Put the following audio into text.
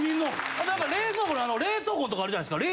ほんで冷蔵庫のあの冷凍庫のとこあるじゃないですか。